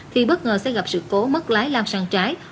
thì bất ngờ sẽ gặp sự cố mất lái lao sang trái